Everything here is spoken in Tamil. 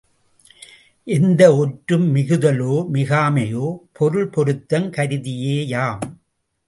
எந்த ஒற்றும் மிகுதலோ மிகாமையோ பொருள் பொருத்தம் கருதியேயாம்.